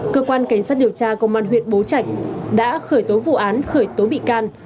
cơ quan cảnh sát điều tra công an huyện bố trạch đã khởi tố vụ án khởi tố bị can